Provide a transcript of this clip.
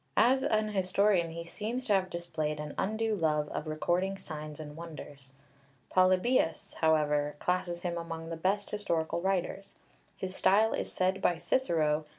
As an historian he seems to have displayed an undue love of recording signs and wonders. Polybius, however (vi. 45), classes him among the best historical writers. His style is said by Cicero (_de Or.